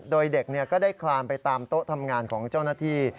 โดยเด็กก็ได้คลานไปตามโต๊ะทำงานของเจ้าหน้าที่